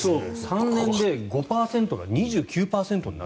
３年で５％が２９％になる。